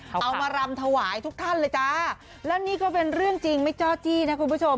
เอามารำถวายทุกท่านเลยจ้าแล้วนี่ก็เป็นเรื่องจริงไม่จ้อจี้นะคุณผู้ชม